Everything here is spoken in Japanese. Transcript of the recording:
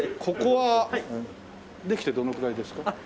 ここはできてどのくらいですか？